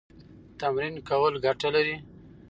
تمرین کول ګټه لري.